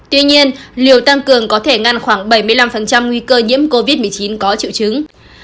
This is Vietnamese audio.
tuy nhiên liều tăng cường có thể ngăn khoảng bảy mươi năm nguy cơ nhiễm covid một mươi chín có triệu chứng